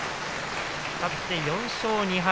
勝って４勝２敗。